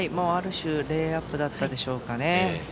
ある種レイアップだったでしょうかね。